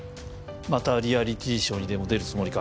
またリアリティーショーにでも出るつもりか？